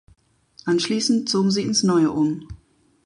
Anschließend zogen sie ins neue um.